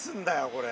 これ。